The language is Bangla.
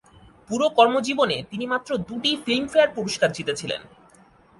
পুরো কর্মজীবনে তিনি মাত্র দুটি 'ফিল্মফেয়ার পুরস্কার' জিতেছিলেন।